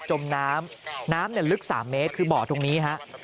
จมน้ำน้ำลึก๓เมตรคือบ่อตรงนี้ฮะ